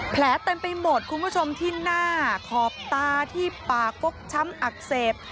เต็มไปหมดคุณผู้ชมที่หน้าขอบตาที่ปากฟกช้ำอักเสบ